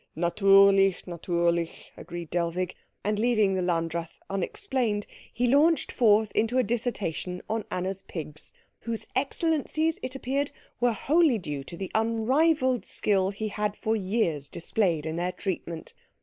"Natürlich, natürlich," agreed Dellwig; and leaving the Landrath unexplained he launched forth into a dissertation on Anna's pigs, whose excellencies, it appeared, were wholly due to the unrivalled skill he had for years displayed in their treatment.